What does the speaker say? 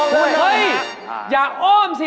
กลับไปก่อนเลยนะครับ